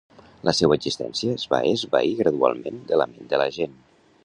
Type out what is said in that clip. La seua existència es va esvair gradualment de la ment de la gent.